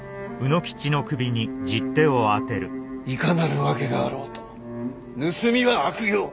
いかなる訳があろうと盗みは悪行。